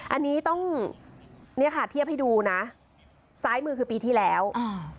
อันนี้ต้องเนี้ยค่ะเทียบให้ดูนะซ้ายมือคือปีที่แล้วอ่า